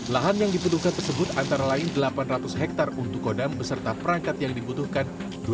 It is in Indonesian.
lahan yang diperlukan tersebut antara lain delapan ratus hektare untuk kodam beserta perangkat yang dibutuhkan